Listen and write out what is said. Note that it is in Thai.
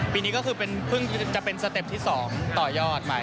ปีนี้ก็คือเพิ่งจะเป็นสเต็ปที่๒ต่อยอดใหม่